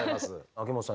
秋元さん